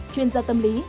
chuyên gia tâm lý